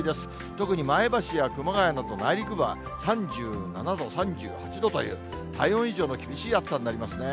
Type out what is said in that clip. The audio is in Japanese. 特に前橋や熊谷など内陸部は３７度、３８度という、体温以上の厳しい暑さになりますね。